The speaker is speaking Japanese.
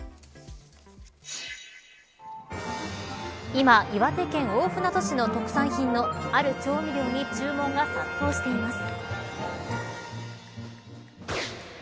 今、岩手県大船渡市の特産品のある調味料に注文が殺到しています。